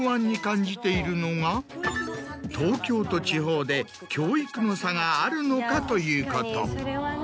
東京と地方で教育の差があるのか？ということ。